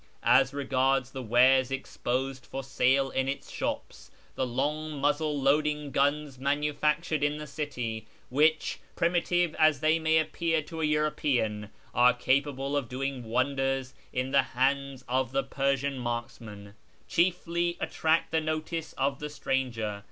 As regards the wares exposed for sale in its shops, the long muzzle loading guns manufactured in the city (which, primitive as they may appear to a European, are capable of doing wonders in the hands of the Persian marksmen) chiefly attract the notice of the stranger.